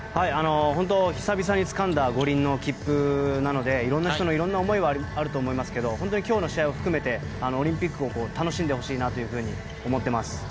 久々につかんだ五輪の切符なのでいろんな人のいろんな思いはあると思いますけど本当に今日の試合を含めてオリンピックを楽しんでほしいなと思ってます。